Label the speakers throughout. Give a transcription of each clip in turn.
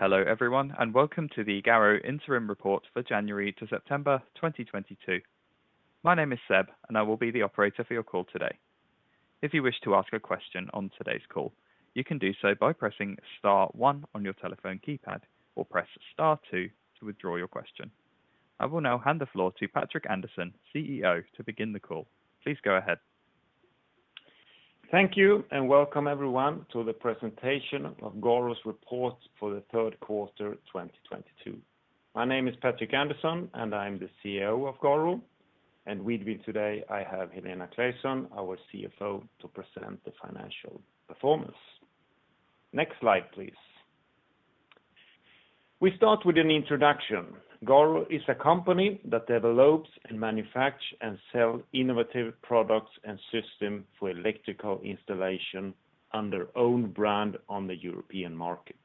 Speaker 1: Hello everyone, and welcome to the GARO interim report for January to September 2022. My name is Seb and I will be the operator for your call today. If you wish to ask a question on today's call, you can do so by pressing star one on your telephone keypad, or press star two to withdraw your question. I will now hand the floor to Patrik Andersson, CEO, to begin the call. Please go ahead.
Speaker 2: Thank you and welcome everyone to the presentation of GARO's report for the third quarter, 2022. My name is Patrik Andersson, and I'm the CEO of GARO. With me today, I have Helena Claesson, our CFO, to present the financial performance. Next slide, please. We start with an introduction. GARO is a company that develops and manufacture and sell innovative products and system for electrical installation under own brand on the European markets.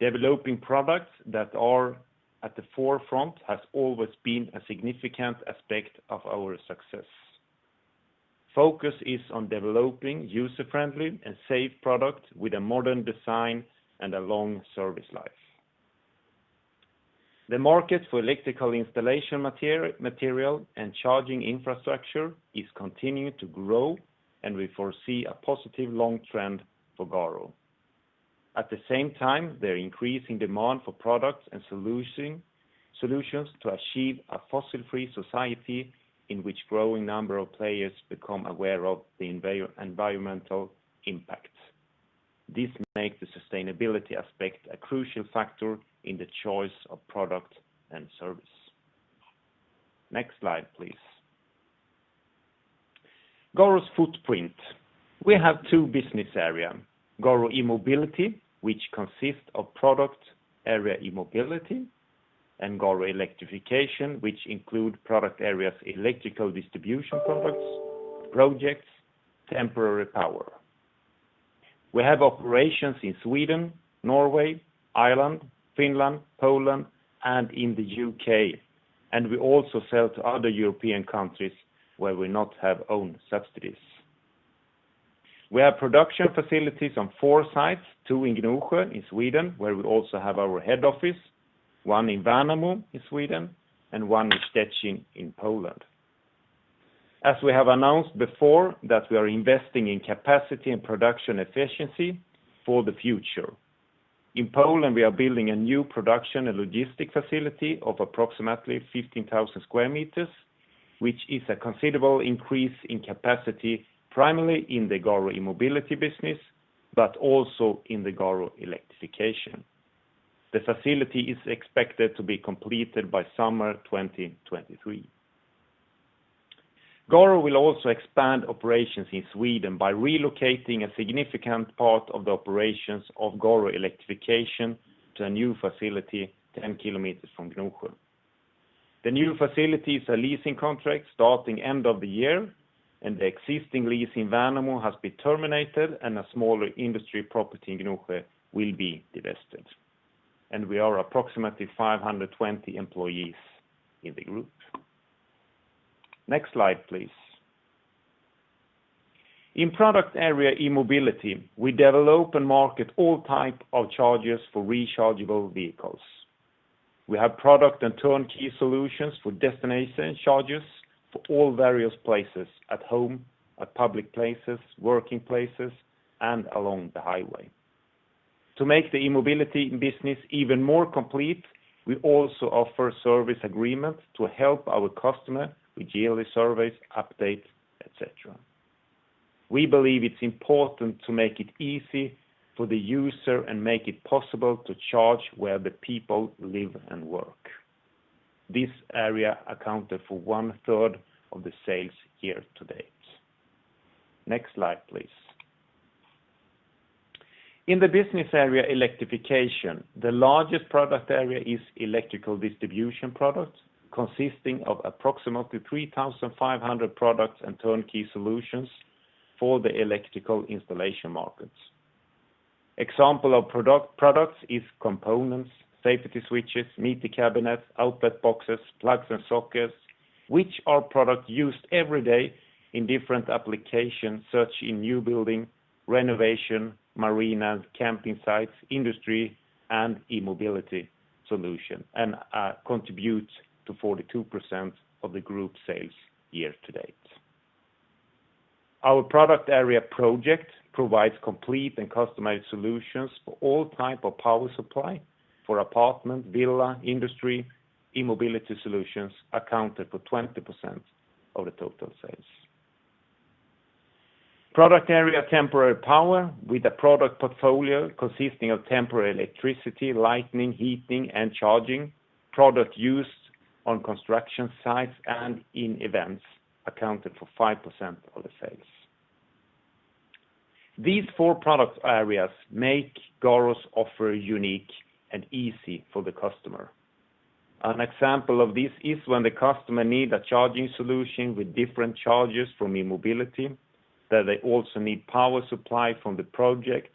Speaker 2: Developing products that are at the forefront has always been a significant aspect of our success. Focus is on developing user-friendly and safe products with a modern design and a long service life. The market for electrical installation material and charging infrastructure is continuing to grow, and we foresee a positive long trend for GARO. At the same time, there are increasing demand for products and solutions to achieve a fossil-free society in which growing number of players become aware of the environmental impact. This makes the sustainability aspect a crucial factor in the choice of product and service. Next slide, please. GARO's footprint. We have two business area, GARO E-mobility, which consists of product area E-mobility, and GARO Electrification, which include product areas, electrical distribution products, projects, temporary power. We have operations in Sweden, Norway, Ireland, Finland, Poland, and in the U.K., and we also sell to other European countries where we not have own subsidiaries. We have production facilities on four sites, two in Gnosjö in Sweden, where we also have our head office, one in Värnamo in Sweden, and one in Szczecin in Poland. As we have announced before, that we are investing in capacity and production efficiency for the future. In Poland, we are building a new production and logistic facility of approximately 15,000 sq m, which is a considerable increase in capacity, primarily in the GARO E-mobility business, but also in the GARO Electrification. The facility is expected to be completed by summer 2023. GARO will also expand operations in Sweden by relocating a significant part of the operations of GARO Electrification to a new facility 10 km from Gnosjö. The new facility is a leasing contract starting at the end of the year, and the existing lease in Värnamo has been terminated and a smaller industry property in Gnosjö will be divested. We are approximately 520 employees in the group. Next slide, please. In product area E-mobility, we develop and market all types of chargers for rechargeable vehicles. We have product and turnkey solutions for destination chargers for all various places, at home, at public places, working places, and along the highway. To make the E-mobility business even more complete, we also offer service agreement to help our customer with yearly service, updates, et cetera. We believe it's important to make it easy for the user and make it possible to charge where the people live and work. This area accounted for 1/3 of the sales year-to-date. Next slide, please. In the business area Electrification, the largest product area is electrical distribution products, consisting of approximately 3,500 products and turnkey solutions for the electrical installation markets. Examples of products are components, safety switches, meter cabinets, outlet boxes, plugs and sockets, which are products used every day in different applications, such as in new building, renovation, marinas, camping sites, industry, and E-mobility solution, and contribute to 42% of the group sales year-to-date. Our product area project provides complete and customized solutions for all type of power supply for apartment, villa, industry. E-mobility solutions accounted for 20% of the total sales. Product area temporary power with a product portfolio consisting of temporary electricity, lighting, heating, and charging. Products used on construction sites and in events accounted for 5% of the sales. These four product areas make GARO's offer unique and easy for the customer. An example of this is when the customer need a charging solution with different chargers from E-mobility, that they also need power supply from the project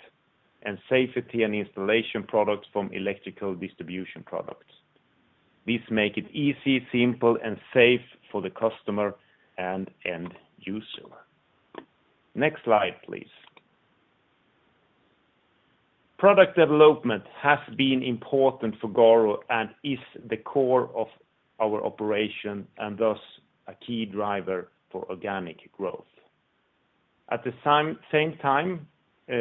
Speaker 2: and safety and installation products from electrical distribution products. This make it easy, simple, and safe for the customer and end user. Next slide, please. Product development has been important for GARO and is the core of our operation and thus a key driver for organic growth. At the same time,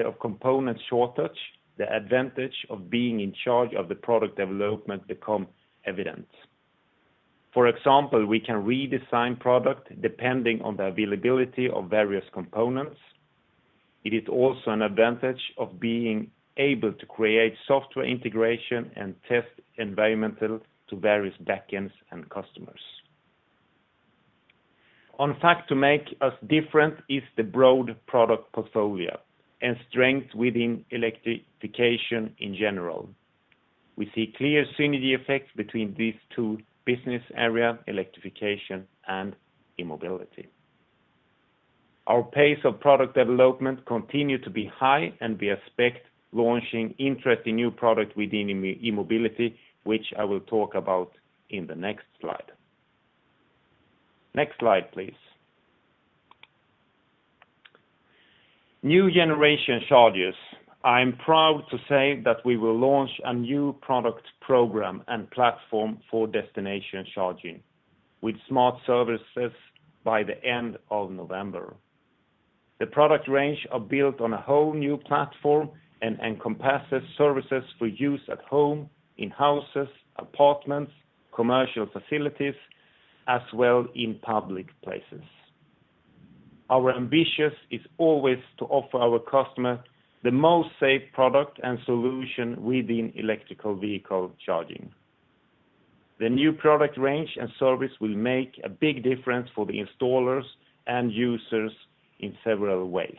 Speaker 2: of component shortage, the advantage of being in charge of the product development become evident. For example, we can redesign product depending on the availability of various components. It is also an advantage of being able to create software integration and test environment to various backends and customers. One fact to make us different is the broad product portfolio and strength within Electrification in general. We see clear synergy effects between these two business area, Electrification and E-mobility. Our pace of product development continue to be high, and we expect launching interesting new product within E-mobility, which I will talk about in the next slide. Next slide, please. New generation chargers. I am proud to say that we will launch a new product program and platform for destination charging with smart services by the end of November. The product range are built on a whole new platform and comprises services for use at home, in houses, apartments, commercial facilities, as well as in public places. Our ambition is always to offer our customer the most safe product and solution within electric vehicle charging. The new product range and service will make a big difference for the installers and users in several ways.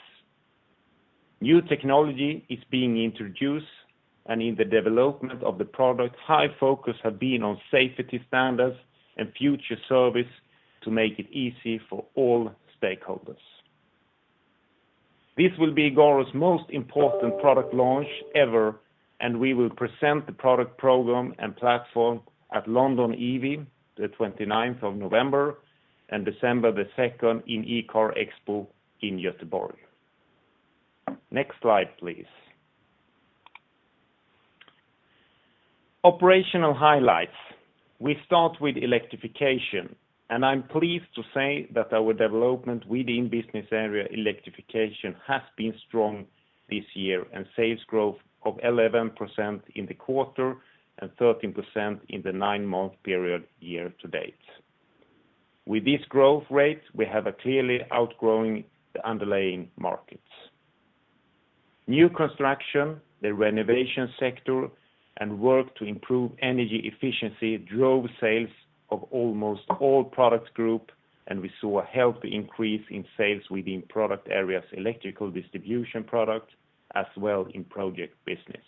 Speaker 2: New technology is being introduced and in the development of the product, high focus have been on safety standards and future service to make it easy for all stakeholders. This will be GARO's most important product launch ever, and we will present the product program and platform at London EV, the 29th of November and December 2nd in eCarExpo in Gothenburg. Next slide, please. Operational highlights. We start with Electrification. I'm pleased to say that our development within business area Electrification has been strong this year and sales growth of 11% in the quarter and 13% in the nine-month period year-to-date. With this growth rate, we have a clearly outgrowing the underlying markets. New construction, the renovation sector, and work to improve energy efficiency drove sales of almost all product group, and we saw a healthy increase in sales within product areas, electrical distribution product, as well in project business.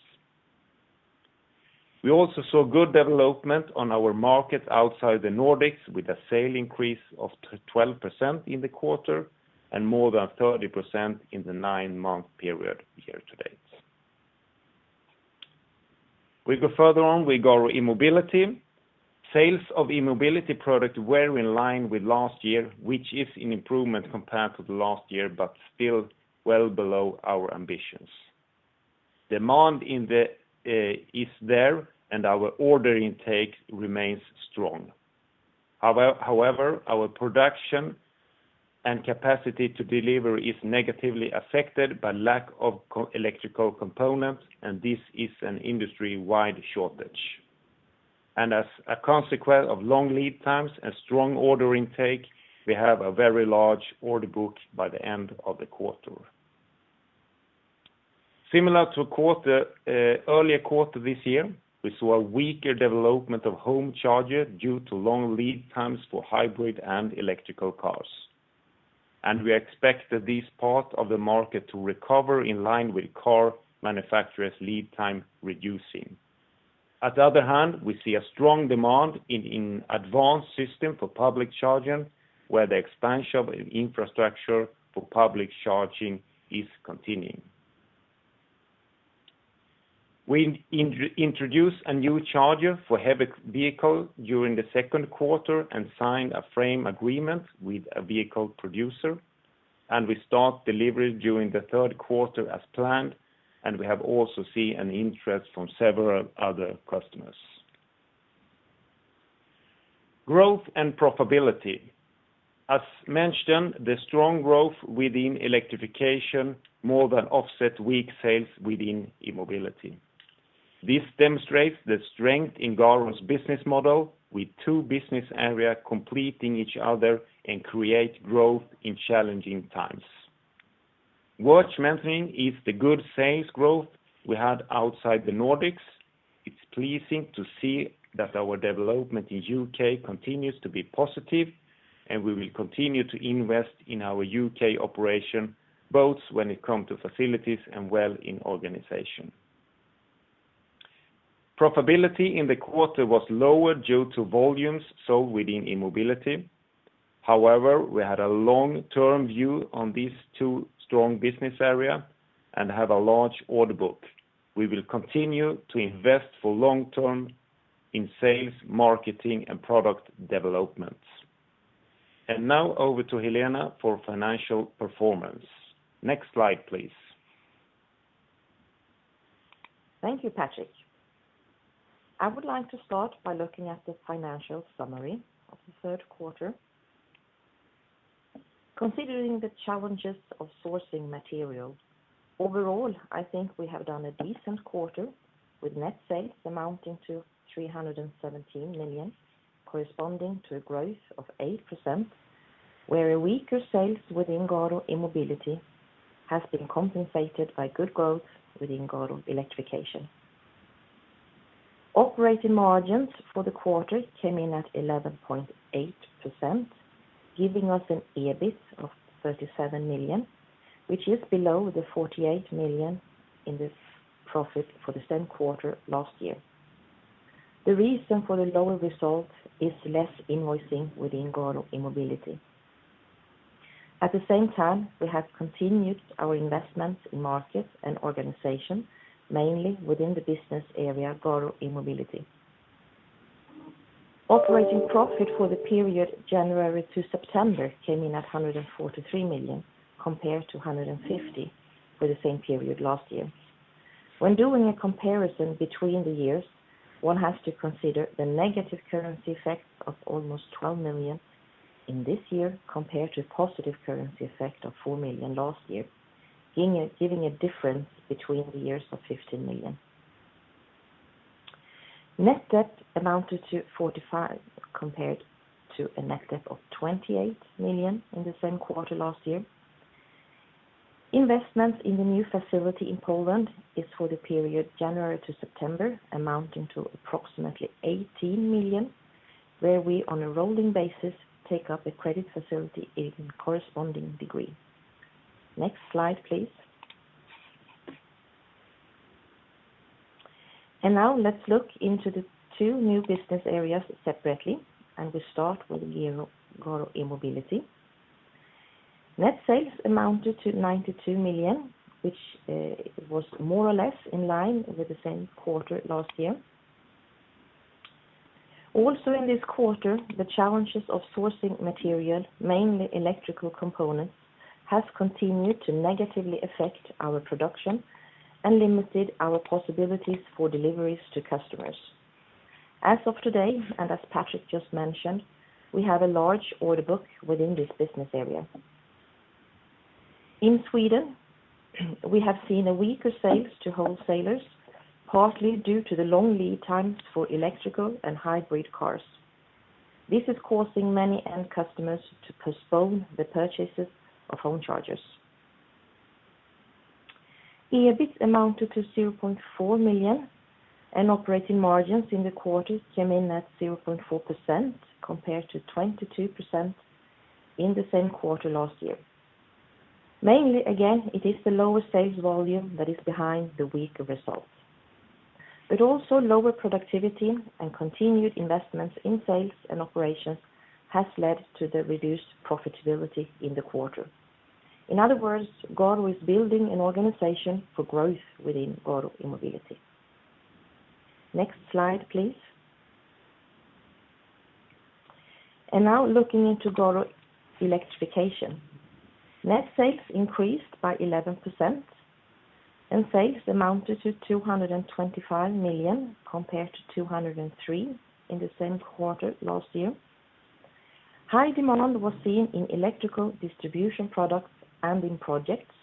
Speaker 2: We also saw good development on our market outside the Nordics with a sale increase of 12% in the quarter and more than 30% in the nine-month period year-to-date. We go further on with GARO E-mobility. Sales of E-mobility product were in line with last year, which is an improvement compared to the last year but still well below our ambitions. Demand in the is there and our order intake remains strong. However, our production and capacity to deliver is negatively affected by lack of electrical components, and this is an industry-wide shortage. As a consequence of long lead times and strong order intake, we have a very large order book by the end of the quarter. Similar to quarter earlier quarter this year, we saw a weaker development of home charger due to long lead times for hybrid and electric cars. We expect that this part of the market to recover in line with car manufacturers lead time reducing. On the other hand, we see a strong demand in advanced system for public charging, where the expansion of infrastructure for public charging is continuing. We introduce a new charger for heavy vehicle during the second quarter and sign a frame agreement with a vehicle producer, and we start delivery during the third quarter as planned, and we have also seen an interest from several other customers. Growth and profitability. As mentioned, the strong growth within Electrification more than offset weak sales within E-mobility. This demonstrates the strength in GARO's business model with two business area completing each other and create growth in challenging times. Worth mentioning is the good sales growth we had outside the Nordics. It's pleasing to see that our development in U.K. continues to be positive, and we will continue to invest in our U.K. operation, both when it come to facilities and well in organization. Profitability in the quarter was lower due to volumes sold within E-mobility. However, we had a long-term view on these two strong business area and have a large order book. We will continue to invest for long-term in sales, marketing, and product developments. Now over to Helena for financial performance. Next slide, please.
Speaker 3: Thank you, Patrik. I would like to start by looking at the financial summary of the third quarter. Considering the challenges of sourcing materials, overall, I think we have done a decent quarter with net sales amounting to 317 million, corresponding to a growth of 8%, where a weaker sales within GARO E-mobility has been compensated by good growth within GARO Electrification. Operating margins for the quarter came in at 11.8%, giving us an EBIT of 37 million, which is below the 48 million in the profit for the same quarter last year. The reason for the lower result is less invoicing within GARO E-mobility. At the same time, we have continued our investments in markets and organization, mainly within the business area, GARO E-mobility. Operating profit for the period January to September came in at 143 million compared to 150 million for the same period last year. When doing a comparison between the years, one has to consider the negative currency effects of almost 12 million in this year compared to a positive currency effect of 4 million last year, giving a difference between the years of 15 million. Net debt amounted to 45 million compared to a net debt of 28 million in the same quarter last year. Investments in the new facility in Poland is for the period January to September, amounting to approximately 18 million, where we, on a rolling basis, take up a credit facility in corresponding degree. Next slide, please. Now let's look into the two new business areas separately, and we start with GARO E-mobility. Net sales amounted to 92 million, which was more or less in line with the same quarter last year. Also in this quarter, the challenges of sourcing material, mainly electrical components, have continued to negatively affect our production and limited our possibilities for deliveries to customers. As of today, and as Patrik just mentioned, we have a large order book within this business area. In Sweden, we have seen a weaker sales to wholesalers, partly due to the long lead times for electric and hybrid cars. This is causing many end customers to postpone the purchases of home chargers. EBIT amounted to 0.4 million, and operating margins in the quarter came in at 0.4% compared to 22% in the same quarter last year. Mainly, again, it is the lower sales volume that is behind the weaker results. Also lower productivity and continued investments in sales and operations has led to the reduced profitability in the quarter. In other words, GARO is building an organization for growth within GARO E-mobility. Next slide, please. Now looking into GARO Electrification. Net sales increased by 11%, and sales amounted to 225 million compared to 203 million in the same quarter last year. High demand was seen in electrical distribution products and in projects,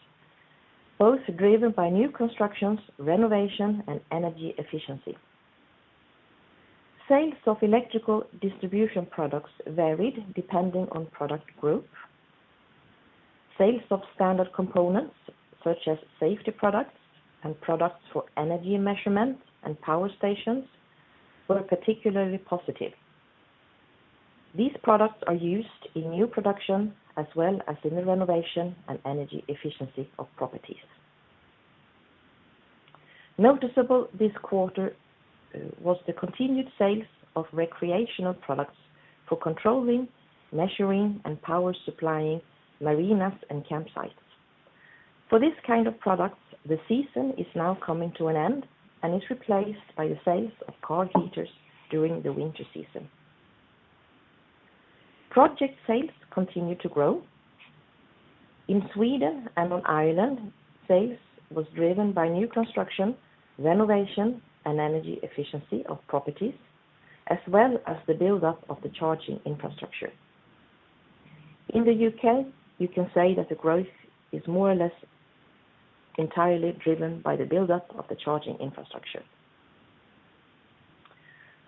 Speaker 3: both driven by new constructions, renovation, and energy efficiency. Sales of electrical distribution products varied depending on product group. Sales of standard components such as safety products and products for energy measurements and power stations were particularly positive. These products are used in new production as well as in the renovation and energy efficiency of properties. Noticeably this quarter was the continued sales of recreational products for controlling, measuring, and power supplying marinas and campsites. For this kind of products, the season is now coming to an end and is replaced by the sales of car heaters during the winter season. Project sales continue to grow. In Sweden and in Ireland, sales was driven by new construction, renovation, and energy efficiency of properties, as well as the buildup of the charging infrastructure. In the U.K., you can say that the growth is more or less entirely driven by the buildup of the charging infrastructure.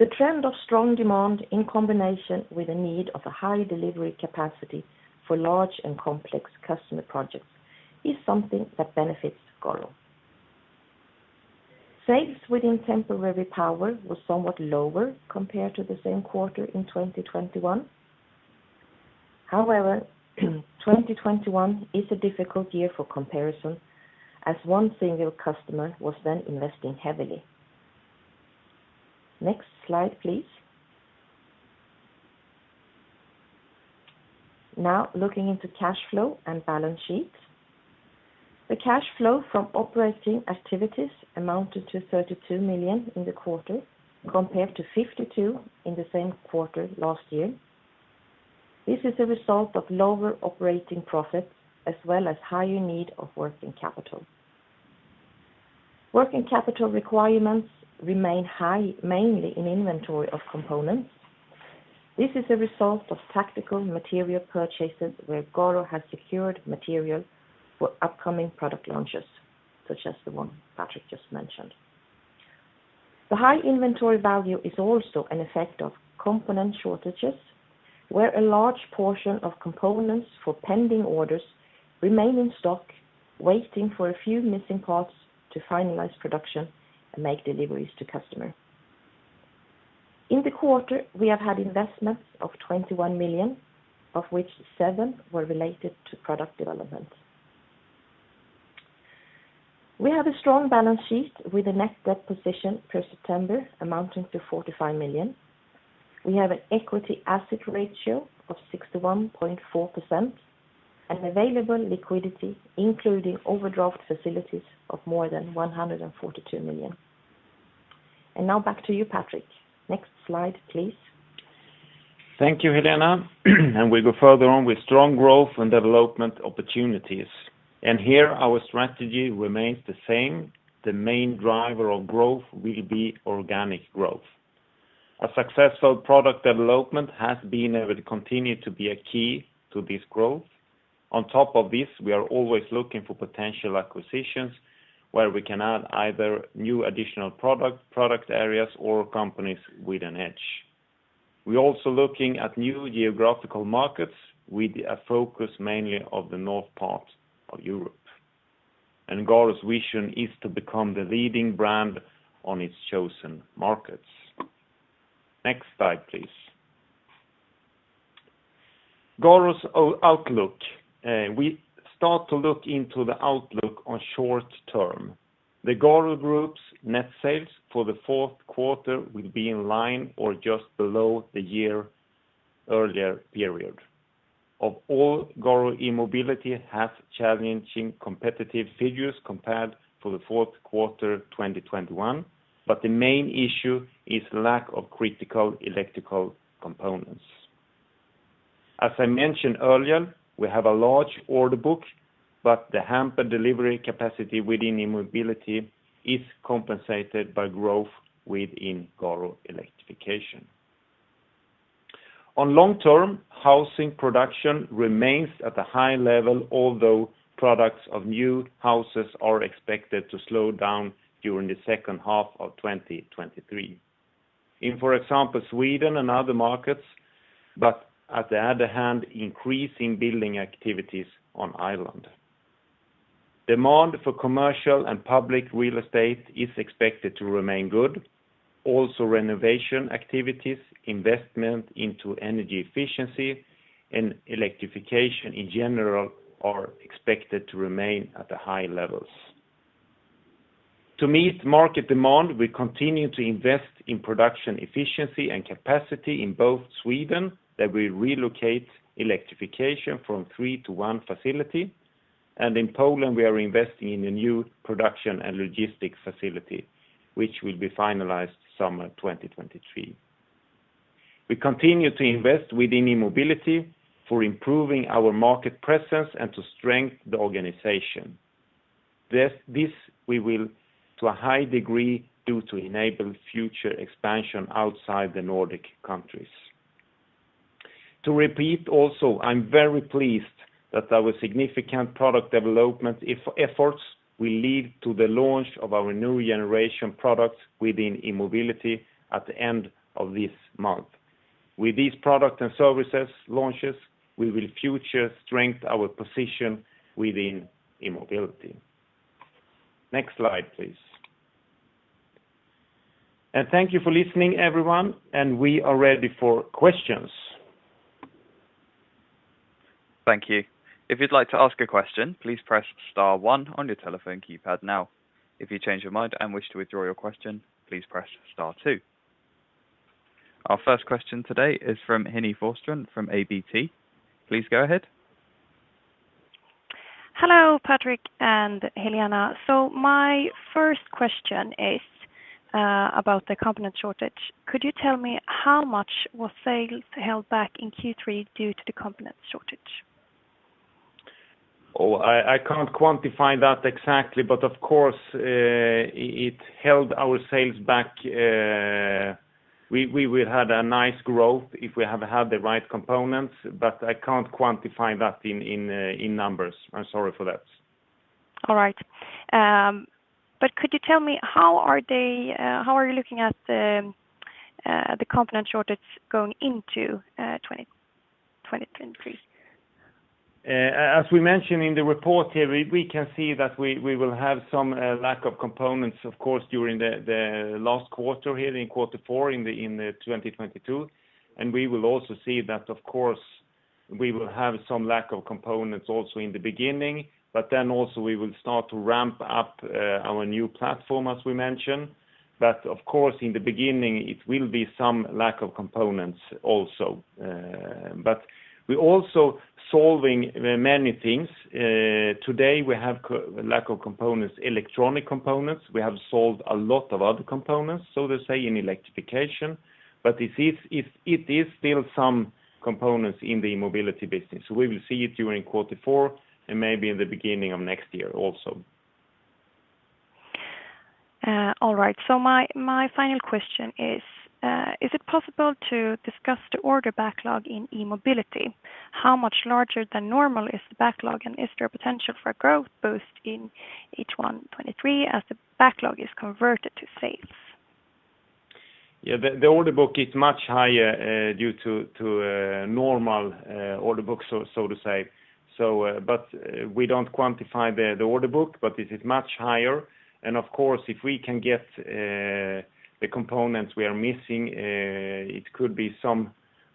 Speaker 3: The trend of strong demand in combination with the need of a high delivery capacity for large and complex customer projects is something that benefits GARO. Sales within temporary power was somewhat lower compared to the same quarter in 2021. However, 2021 is a difficult year for comparison as one single customer was then investing heavily. Next slide, please. Now looking into cash flow and balance sheets. The cash flow from operating activities amounted to 32 million in the quarter compared to 52 million in the same quarter last year. This is a result of lower operating profits as well as higher need of working capital. Working capital requirements remain high, mainly in inventory of components. This is a result of tactical material purchases where GARO has secured material for upcoming product launches, such as the one Patrik just mentioned. The high inventory value is also an effect of component shortages, where a large portion of components for pending orders remain in stock, waiting for a few missing parts to finalize production and make deliveries to customer. In the quarter, we have had investments of 21 million, of which 7 million were related to product development. We have a strong balance sheet with a net debt position per September amounting to 45 million. We have an equity asset ratio of 61.4% and available liquidity, including overdraft facilities of more than 142 million. Now back to you, Patrik. Next slide, please.
Speaker 2: Thank you, Helena. We go further on with strong growth and development opportunities. Here our strategy remains the same. The main driver of growth will be organic growth. A successful product development has been and will continue to be a key to this growth. On top of this, we are always looking for potential acquisitions where we can add either new additional product areas or companies with an edge. We're also looking at new geographical markets with a focus mainly of the north part of Europe. GARO's vision is to become the leading brand on its chosen markets. Next slide, please. GARO's outlook. We start to look into the outlook on short term. The GARO Group's net sales for the fourth quarter will be in line or just below the year earlier period. Overall, GARO E-mobility have challenging competitive figures compared to the fourth quarter 2021, but the main issue is lack of critical electrical components. As I mentioned earlier, we have a large order book, but the hampered delivery capacity within E-mobility is compensated by growth within GARO Electrification. In the long term, housing production remains at a high level, although production of new houses are expected to slow down during the second half of 2023, in, for example, Sweden and other markets, but on the other hand, increase in building activities in Ireland. Demand for commercial and public real estate is expected to remain good. Also, renovation activities, investment into energy efficiency and Electrification in general are expected to remain at the high levels. To meet market demand, we continue to invest in production efficiency and capacity in both Sweden, as we relocate Electrification from three to one facility. In Poland, we are investing in a new production and logistics facility, which will be finalized summer 2023. We continue to invest within E-mobility for improving our market presence and to strengthen the organization. This we will, to a high degree, do to enable future expansion outside the Nordic countries. To repeat also, I'm very pleased that our significant product development efforts will lead to the launch of our new generation products within E-mobility at the end of this month. With these product and services launches, we will further strengthen our position within E-mobility. Next slide, please. Thank you for listening, everyone, and we are ready for questions.
Speaker 1: Thank you. If you'd like to ask a question, please press star one on your telephone keypad now. If you change your mind and wish to withdraw your question, please press star two. Our first question today is from Henrik Forsström from ABG. Please go ahead.
Speaker 4: Hello, Patrik and Helena. My first question is about the component shortage. Could you tell me how much was sales held back in Q3 due to the component shortage?
Speaker 2: I can't quantify that exactly, but of course, it held our sales back. We would had a nice growth if we have had the right components, but I can't quantify that in numbers. I'm sorry for that.
Speaker 4: All right. Could you tell me how are you looking at the component shortage going into 2023?
Speaker 2: As we mentioned in the report here, we can see that we will have some lack of components, of course, during the last quarter here in quarter four in 2022. We will also see that, of course. We will have some lack of components also in the beginning, but then also we will start to ramp up our new platform, as we mentioned. Of course, in the beginning, it will be some lack of components also. We're also solving many things. Today, we have lack of components, electronic components. We have solved a lot of other components, so to say, in Electrification. It is still some components in the E-mobility business. We will see it during quarter four and maybe in the beginning of next year also.
Speaker 4: My final question is it possible to discuss the order backlog in E-mobility? How much larger than normal is the backlog, and is there a potential for growth both in H1 2023 as the backlog is converted to sales?
Speaker 2: Yeah. The order book is much higher due to normal order books, so to say. But we don't quantify the order book, but this is much higher. Of course, if we can get the components we are missing, it could be some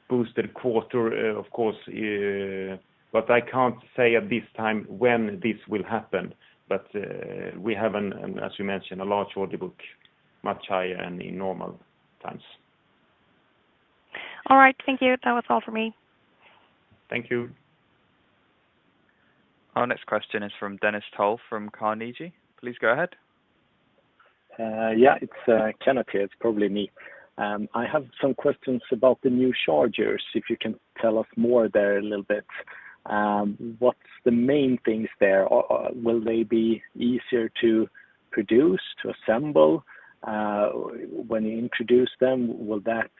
Speaker 2: boosted quarter, of course, but I can't say at this time when this will happen. We have, as you mentioned, a large order book, much higher than in normal times.
Speaker 4: All right. Thank you. That was all for me.
Speaker 2: Thank you.
Speaker 1: Our next question is from Kenneth Toll from Carnegie. Please go ahead.
Speaker 5: Yeah, it's Kenneth here. It's probably me. I have some questions about the new chargers, if you can tell us more there a little bit. What's the main things there? Will they be easier to produce, to assemble? When you introduce them, will that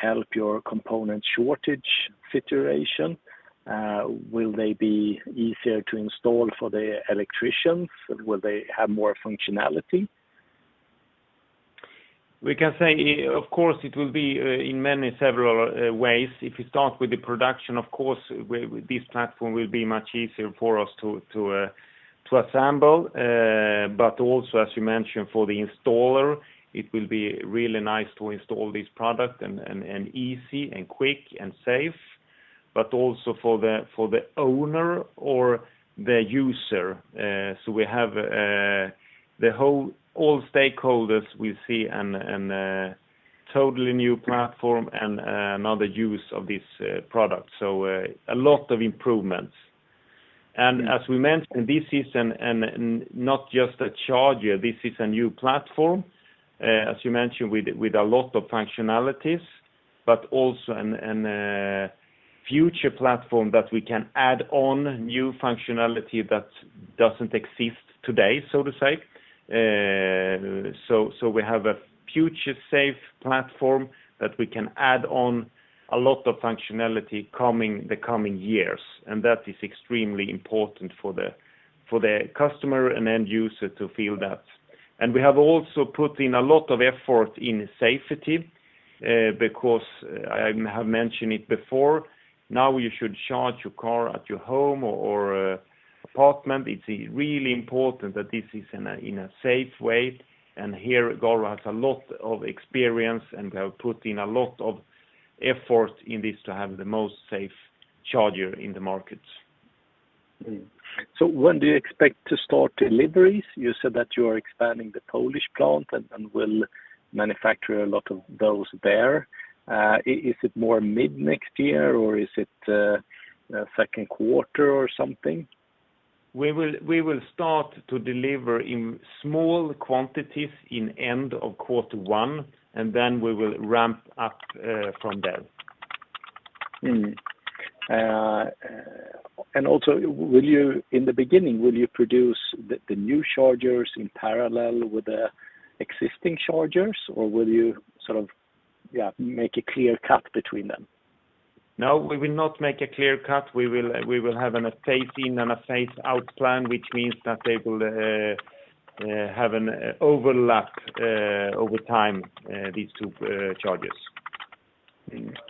Speaker 5: help your component shortage situation? Will they be easier to install for the electricians? Will they have more functionality?
Speaker 2: We can say, of course, it will be in many several ways. If you start with the production, of course, with this platform will be much easier for us to assemble. Also, as you mentioned, for the installer, it will be really nice to install this product and easy and quick and safe, but also for the owner or the user. All stakeholders will see a totally new platform and another use of this product. A lot of improvements. As we mentioned, this is not just a charger, this is a new platform, as you mentioned, with a lot of functionalities, but also a future platform that we can add on new functionality that doesn't exist today, so to say. We have a future-safe platform that we can add on a lot of functionality coming, the coming years. That is extremely important for the customer and end user to feel that. We have also put in a lot of effort in safety, because I have mentioned it before. Now you should charge your car at your home or apartment. It's really important that this is in a safe way. Here, GARO has a lot of experience, and we have put in a lot of effort in this to have the most safe charger in the market.
Speaker 5: When do you expect to start deliveries? You said that you are expanding the Polish plant and will manufacture a lot of those there. Is it more mid next year, or is it second quarter or something?
Speaker 2: We will start to deliver in small quantities in end of quarter one, and then we will ramp up from there.
Speaker 5: In the beginning, will you produce the new chargers in parallel with the existing chargers, or will you sort of, yeah, make a clear cut between them?
Speaker 2: No, we will not make a clear cut. We will have a phase in and a phase-out plan, which means that they will have an overlap over time, these two chargers.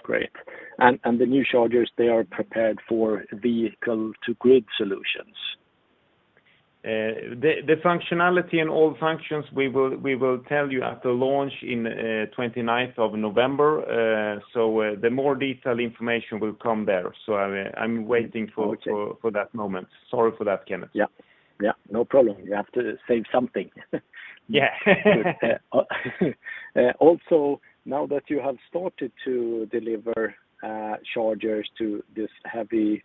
Speaker 5: Great. The new chargers, they are prepared for vehicle-to-grid solutions.
Speaker 2: The functionality and all functions, we will tell you at the launch in 29th of November. The more detailed information will come there. I'm waiting for that moment. Sorry for that, Kenneth.
Speaker 5: Yeah. Yeah, no problem. You have to save something.
Speaker 2: Yeah.
Speaker 5: Also, now that you have started to deliver chargers to this heavy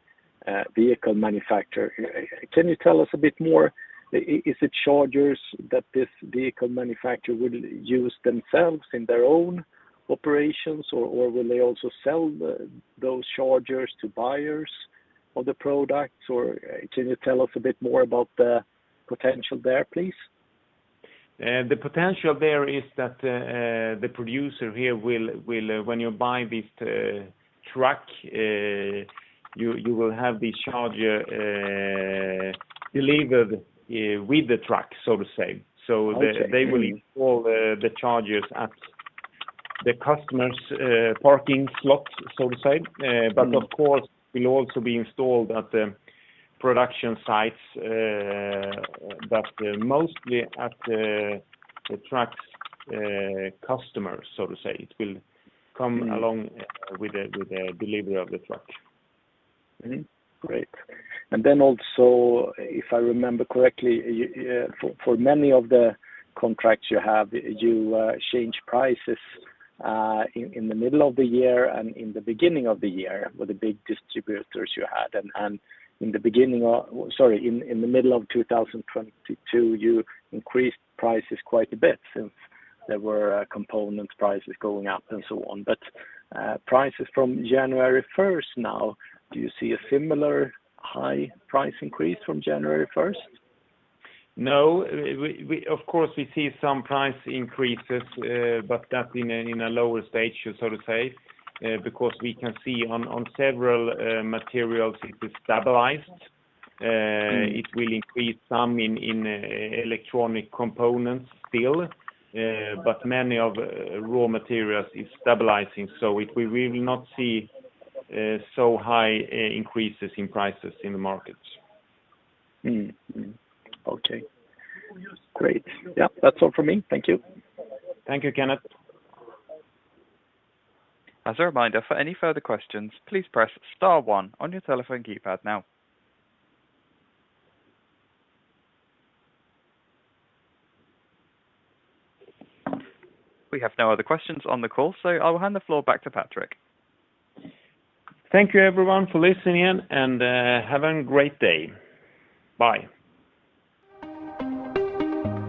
Speaker 5: vehicle manufacturer, can you tell us a bit more? Is it chargers that this vehicle manufacturer would use themselves in their own operations, or will they also sell those chargers to buyers of the product? Or can you tell us a bit more about the potential there, please?
Speaker 2: The potential there is that the producer here will, when you buy this truck, you will have the charger delivered with the truck, so to say.
Speaker 5: Okay.
Speaker 2: They will install the chargers at the customers' parking slots, so to say. Of course, will also be installed at the production sites, but mostly at the truck's customers, so to say. It will come along with the delivery of the truck.
Speaker 5: Great. Then also, if I remember correctly, for many of the contracts you have, you change prices in the middle of the year and in the beginning of the year with the big distributors you had. Sorry, in the middle of 2022, you increased prices quite a bit since there were component prices going up and so on. Prices from January 1st now, do you see a similar high price increase from January 1st?
Speaker 2: No. We, of course, see some price increases, but that in a lower stage, so to say, because we can see on several materials it is stabilized. It will increase some in electronic components still, but many of raw materials is stabilizing. So we will not see so high increases in prices in the markets.
Speaker 5: Okay, great. Yeah. That's all for me. Thank you.
Speaker 2: Thank you, Kenneth.
Speaker 1: As a reminder, for any further questions, please press star one on your telephone keypad now. We have no other questions on the call, so I will hand the floor back to Patrik.
Speaker 2: Thank you, everyone, for listening in, and have a great day. Bye.